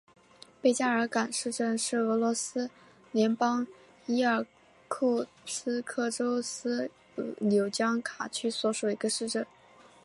贝加尔港市镇是俄罗斯联邦伊尔库茨克州斯柳江卡区所属的一个市镇。